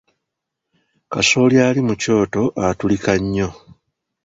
Kasooli ali mu kyoto atulika nnyo.